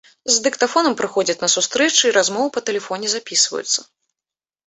З дыктафонам прыходзяць на сустрэчы і размовы па тэлефоне запісваюцца.